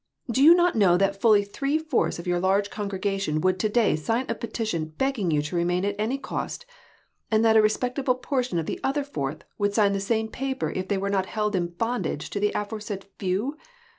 Do you not know that fully three fourths of your large congregation would to day sign a peti tion begging you to remain at any cost, and that a respectable portion of the other fourth would sign the same paper if they were not held in bondage to the aforesaid few